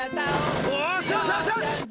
よしよしよしよし！